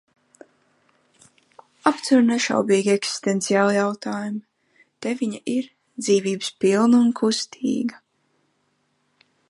Apceru nešaubīgi eksistenciālu jautājumu – te viņa ir, dzīvības pilna un kustīga.